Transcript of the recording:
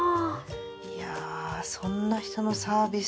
いやぁそんな人のサービス